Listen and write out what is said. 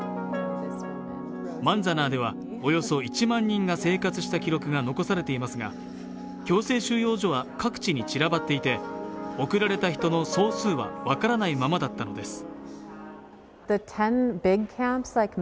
マンザナーでは、およそ１万人が生活した記録が残されていますが、強制収容所は各地に散らばっていて、送られた人の総数は分からないままだったのです。